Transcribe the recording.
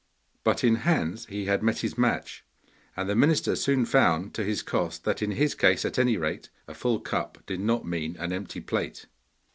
But in Hans he had met his match, and the minister soon found to his cost that in his case at any rate a full cup did not mean an empty plate.